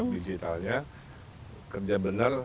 digitalnya kerja benar